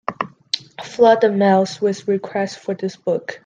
Flood the mails with requests for this book.